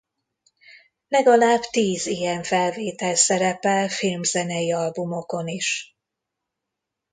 Legalább tíz ilyen felvétel szerepel filmzenei albumokon is.